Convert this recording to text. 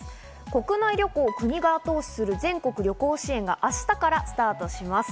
国内旅行を国が後押しする全国旅行支援が明日からスタートします。